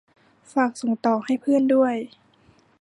ฝากส่งต่อให้เพื่อนด้วย